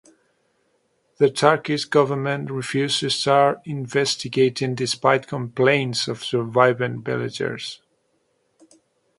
The Turkish government refused to start investigating despite complaints of surviving villagers.